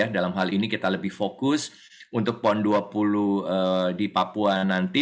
dalam hal ini kita lebih fokus untuk pon dua puluh di papua nanti